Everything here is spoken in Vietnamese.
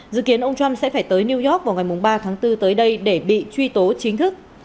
dự kiến ông trump sẽ phải tới new york vào ngày ba tháng bốn tới đây để bị truy tố chính thức